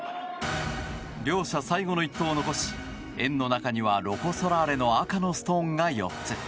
両者最後の一投を残し円の中にはロコ・ソラーレの赤のストーンが４つ。